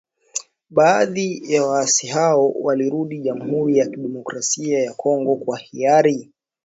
Baadhi ya waasi hao walirudi Jamhuri ya kidemokrasia ya Kongo kwa hiari.